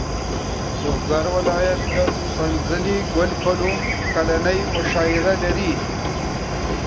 لوګر ولایت د سنځلې ګل په نوم کلنۍ مشاعره لري.